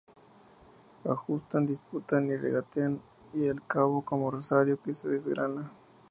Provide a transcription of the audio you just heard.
ajustan, disputan, regatean, y al cabo, como rosario que se desgrana